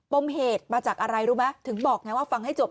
มเหตุมาจากอะไรรู้ไหมถึงบอกไงว่าฟังให้จบ